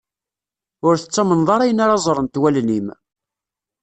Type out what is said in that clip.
Ur tettamneḍ ara ayen ara ẓrent wallen-im.